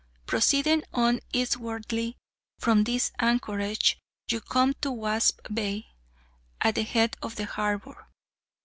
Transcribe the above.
Proceeding on eastwardly from this anchorage you come to Wasp Bay, at the head of the harbour.